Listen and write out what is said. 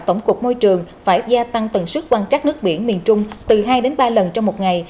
tổng cục môi trường phải gia tăng tần suất quan trắc nước biển miền trung từ hai đến ba lần trong một ngày